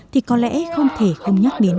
thì có lẽ không thể không nhắc đến